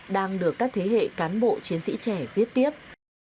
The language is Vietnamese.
đang được các thế hệ cán bộ chiến sĩ trẻ viết tiếp